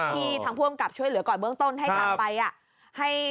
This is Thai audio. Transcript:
ที่ทางพ่วงกับช่วยเหลือก่อนเมืองต้นให้กันไป